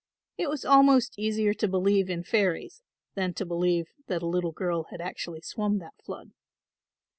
It was almost easier to believe in fairies than to believe that a little girl had actually swum that flood.